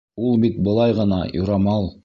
Ул бит былай ғына, юрамал.